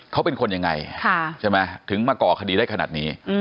เขาเป็นคนยังไงใช่ไหมถึงมาก่อคดีได้ขนาดนี้